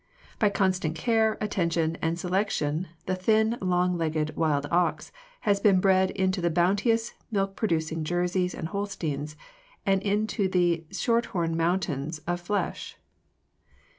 By constant care, attention, and selection the thin, long legged wild ox has been bred into the bounteous milk producing Jerseys and Holsteins or into the Shorthorn mountains of flesh.